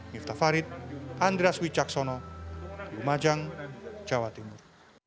miftah farid andras wicaksono lumajang jawa timur